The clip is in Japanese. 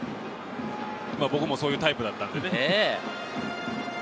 僕もそういうタイプだったんでね。